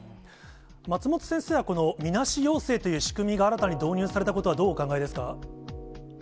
松本先生はこのみなし陽性という仕組みが新たに導入されたことはどうお考えですか。